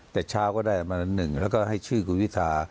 แต่เช้าก็ได้ประมาณหนึ่งแล้วก็ให้ชื่อคุณวิทา